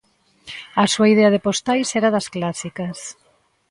A súa idea de postais era das clásicas.